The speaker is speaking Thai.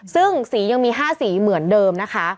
ซึ่งสียังมี๕สีเหมือนเดิมนะคะ